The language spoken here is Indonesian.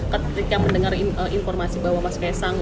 ketika mendengar informasi bahwa mas kaisang